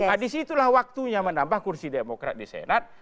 nah disitulah waktunya menambah kursi demokrat di senat